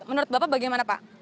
menurut bapak bagaimana pak